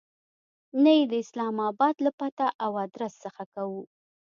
نه یې د اسلام آباد له پته او آدرس څخه کوو.